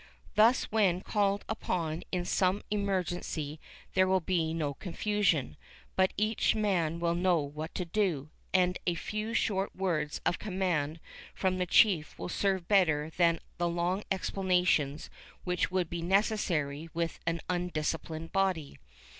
Thus when called upon in some emergency there will be no confusion, but each man will know what to do, and a few short words of command from the chief will serve better than the long explanations which would be necessary with an undisciplined body.